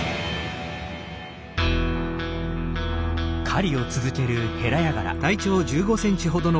狩りを続けるヘラヤガラ。